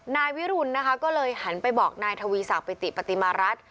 นายวิรุณนะคะก็เลยหันไปบอกนายทวีศักดิติปฏิมารัฐ